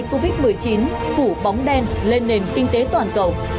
covid một mươi chín phủ bóng đen lên nền kinh tế toàn cầu